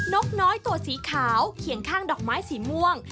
กน้อยตัวสีขาวเคียงข้างดอกไม้สีม่วง